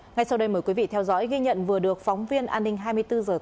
ngay sau đây mời quý vị theo dõi ghi nhận vừa được phóng viên an ninh hai mươi bốn h